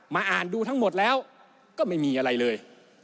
อ่านดูทั้งหมดแล้วก็ไม่มีอะไรเลย